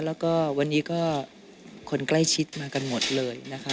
แล้วก็วันนี้ก็คนใกล้ชิดมากันหมดเลยนะคะ